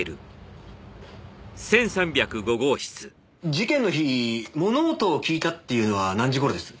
事件の日物音を聞いたっていうのは何時頃です？